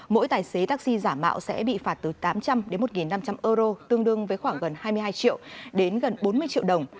mỗi tài xế taxi giả mạo sẽ bị phạt từ tám trăm linh đến một năm trăm linh euro tương đương với khoảng gần hai mươi hai triệu đến gần bốn mươi triệu đồng